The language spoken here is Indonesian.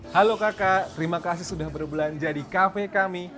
halo kakak terima kasih sudah berbelanja di kafe kami